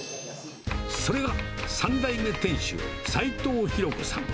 それが、３代目店主、齋藤弘子さん。